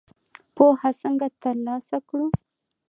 پوهه څنګه تر لاسه کړو؟